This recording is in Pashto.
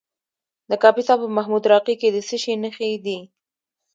د کاپیسا په محمود راقي کې د څه شي نښې دي؟